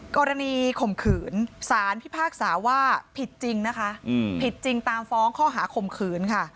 กรณีขมขื่นสารพิพากษาตามฟ้องข้อหาขมขื่น